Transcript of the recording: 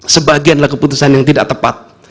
sebagianlah keputusan yang tidak tepat